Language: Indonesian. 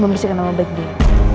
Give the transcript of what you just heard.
memisahkan nama baik dia